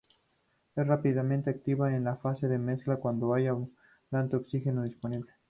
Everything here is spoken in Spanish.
Es rápidamente activa en la fase de mezcla cuando hay abundante oxígeno disponible.